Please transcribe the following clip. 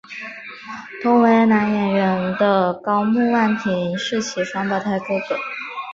同为男演员的高木万平是其双胞胎哥哥。